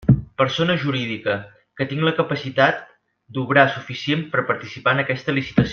Persona jurídica: que tinc la capacitat d'obrar suficient per participar en aquesta licitació.